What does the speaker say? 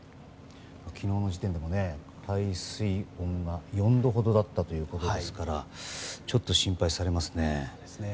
昨日の時点でも海水温が４度ほどだったということですからちょっと心配されますね。